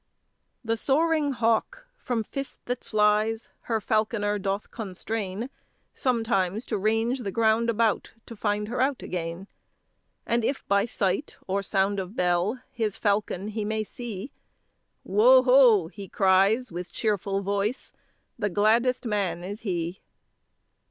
The soaring hawk, from fist that flies, Her falconer doth constrain Sometimes to range the ground about To find her out again; And if by sight, or sound of bell, His falcon he may see, Wo ho! he cries, with cheerful voice The gladdest man is he.